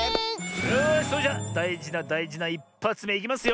よしそれじゃだいじなだいじな１ぱつめいきますよ。